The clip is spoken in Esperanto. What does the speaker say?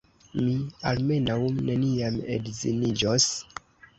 Mi almenaŭ neniam edziniĝos!